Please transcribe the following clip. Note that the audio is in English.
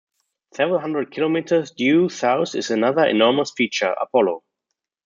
Several hundred kilometers due south is another enormous feature, Apollo.